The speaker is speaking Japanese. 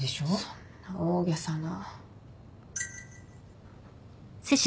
そんな大げさな。